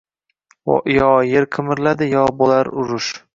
“Yo yer qimirlaydi, yo bo’lar urush…” –